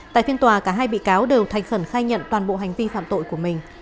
tại phiên tòa cả hai bị cáo đều thành khẩn khai nhận toàn bộ hành vi phạm tội của mình